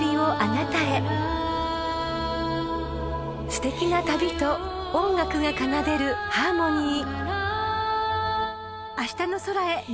［すてきな旅と音楽が奏でるハーモニー］